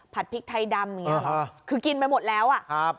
พริกไทยดำอย่างเงี้หรอคือกินไปหมดแล้วอ่ะครับ